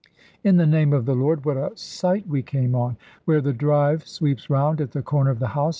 In the name of the Lord, what a sight we came on, where the drive sweeps round at the corner of the house!